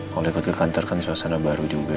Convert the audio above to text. kalau ikut ke kantor kan suasana baru juga